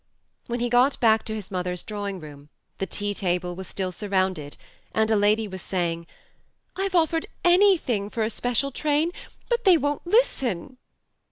When he got back to his mother's drawing room the tea table was still sur rounded, and a lady was saying :" I've offered anything for a special train, but they won't listen.